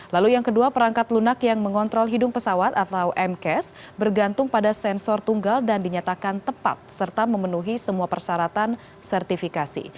lalu yang kedua perangkat lunak yang mengontrol hidung pesawat atau mcas bergantung pada sensor tunggal dan dinyatakan tepat serta memenuhi semua persyaratan sertifikasi